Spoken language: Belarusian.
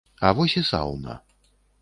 А вось і сауна.